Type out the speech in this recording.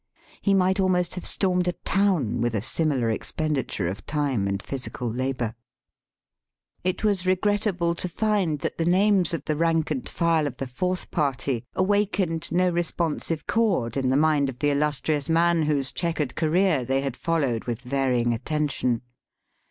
He might almost have stormed a town with a similar expendi ture of time and physical labour. It was regrettable to find that the names of the rank and file of the Fourth Party awakened no responsive chord in the mind of the illus trious man whose chequered career they had followed with varying attention.